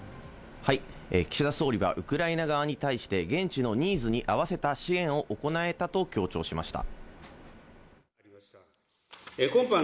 岸田総理はウクライナ側に対して現地のニーズに合わせた支援を行えたと強調しました。